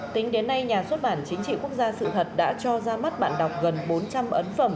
tính đến nay nhà xuất bản chính trị quốc gia sự thật đã cho ra mắt bạn đọc gần bốn trăm linh ấn phẩm